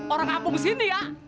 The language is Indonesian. orang abung sini ya